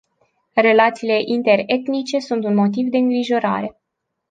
Relațiile interetnice sunt un motiv de îngrijorare.